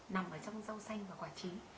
nằm trong rau xanh và quả trí